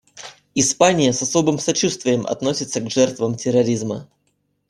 Испания с особым сочувствием относится к жертвам терроризма.